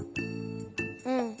うん。